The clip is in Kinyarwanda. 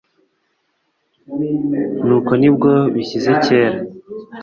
nuko ni bwo bishyize kera